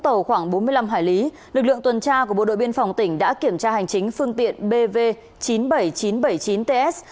tỉnh bà rê vũng tàu khoảng bốn mươi năm hải lý lực lượng tuần tra của bộ đội biên phòng tỉnh đã kiểm tra hành chính phương tiện bv chín mươi bảy nghìn chín trăm bảy mươi chín ts